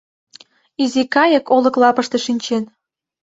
Изи кайык олык лапыште шинчен...